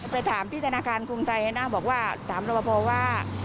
ไปถามที่ธนาคารกรุงไทยนะบอกว่าถามรบพอว่า